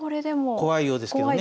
怖いようですけどね。